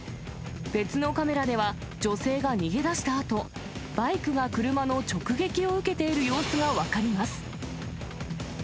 別のカメラでは、女性が逃げ出したあと、バイクが車の直撃を受けている様子が分かります。